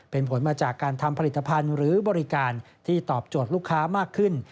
เป็นผลมาจากการทำผลิตภัณฑ์หรือบริการที่ตอบโจทย์ลูกค้ามากขึ้น